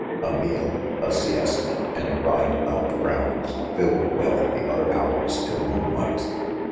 A meal, a siesta, and a ride about the grounds, filled well the other hours till moonlight.